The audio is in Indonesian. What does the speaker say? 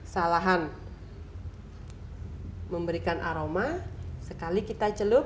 salahan memberikan aroma sekali kita celup